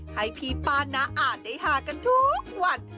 ให้พี่ป้าน้าอ่านได้หากันทุกวัน